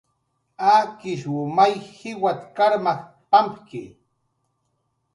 Akishw may jiwat karmaj pampki